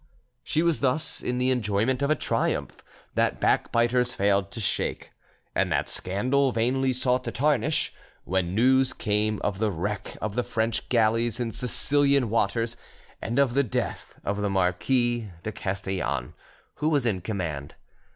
She was thus in the enjoyment of a triumph that backbiters failed to shake, and that scandal vainly sought to tarnish, when news came of the wreck of the French galleys in Sicilian waters, and of the death of the Marquis de Castellane, who was in command.